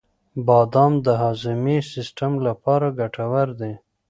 • بادام د هاضمې سیسټم لپاره ګټور دي.